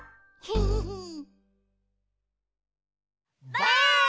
ばあっ！